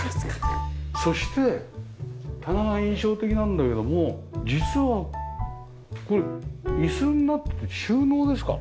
そして棚が印象的なんだけども実はこれ椅子になってて収納ですか？